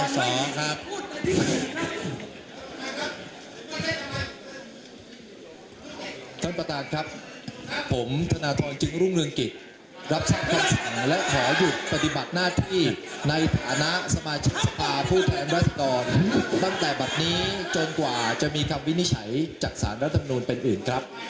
สถานะสมาชิกสภาพูดแสดงรัฐศิกรตั้งแต่แบบนี้จนกว่าจะมีความวินิจฉัยจากศาลรัฐธรรมนุนเป็นอื่นครับ